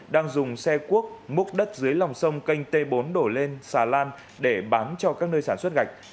đang dùng xe cuốc múc đất dưới lòng sông kênh t bốn đổ lên xà lan để bán cho các nơi sản xuất gạch